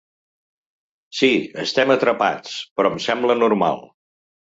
Sí, estem atrapats, però em sembla normal.